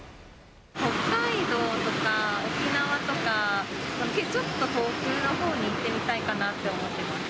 北海道とか沖縄とか、ちょっと遠くのほうに行ってみたいかなと思ってます。